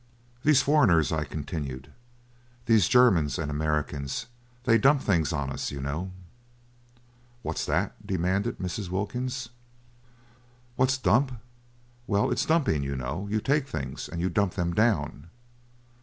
"These foreigners," I continued, "these Germans and Americans, they dump things on us, you know." "What's that?" demanded Mrs. Wilkins. "What's dump? Well, it's dumping, you know. You take things, and you dump them down."